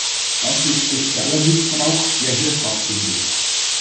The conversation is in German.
Das ist sozialer Missbrauch, der hier stattfindet.